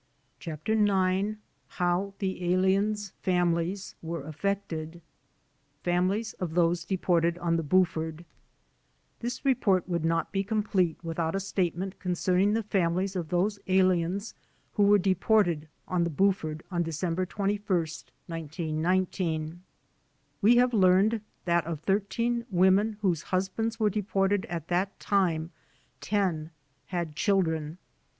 CHAPTER IX HOW THE ALIENS' FAMILIES WERE AFFECTED Families of those Deported on the ''Buford" This report would not be complete without a statement concerning the families of those aliens who were de ported on the "Buford," on December 21, 1919. We have learned that of thirteen women whose husbands were de ported at that time, ten had children.